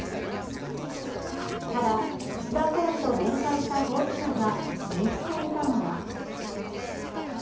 ただ、岸田総理と面会した当事者が気にしていたのは。